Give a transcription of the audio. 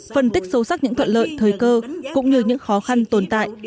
phân tích sâu sắc những thuận lợi thời cơ cũng như những khó khăn tồn tại